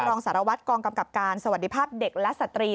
รองสารวัตรกองกำกับการสวัสดีภาพเด็กและสตรี